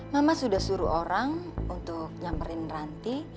mama sudah suruh orang untuk nyamperin ranti